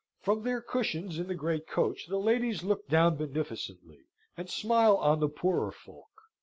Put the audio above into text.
From their cushions in the great coach the ladies look down beneficently, and smile on the poorer folk.